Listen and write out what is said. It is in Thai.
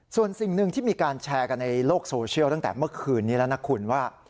ส่วนสิ่งหนึ่งที่มีการแชร์กันในโลกโซเชียลตั้งแต่เมื่อคืนนี้แล้วนะคุณว่า